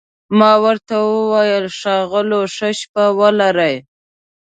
ما ورته وویل: ښاغلو، ښه شپه ولرئ.